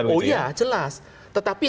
oh iya jelas tetapi